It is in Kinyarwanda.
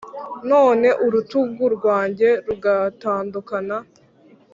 Noneho urutugu rwanjye ruragatandukana.